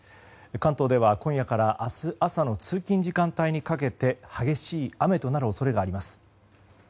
関東では今夜から明日朝の通勤・通学時間帯にかけて激しい雨となる恐れがあります。